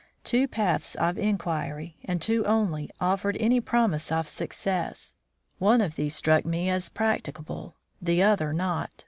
Two paths of inquiry, and two only, offered any promise of success. One of these struck me as practicable; the other not.